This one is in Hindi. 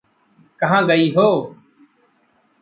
कहाँ गई हो?